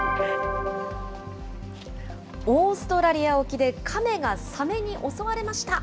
オーストラリア沖でカメがサメに襲われました。